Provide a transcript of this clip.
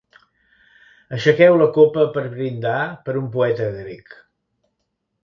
Aixequeu la copa per brindar per un poeta grec.